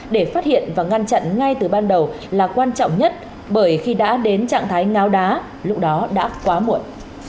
để phát hiện và ngăn chặn ngay từ ban đầu là quan trọng nhất bởi khi đã đến trạng thái ngáo đá lúc đó đã quá muộn